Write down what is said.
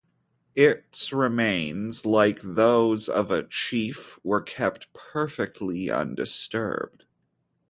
Its remains, like those of a chief, were kept perfectly undisturbed.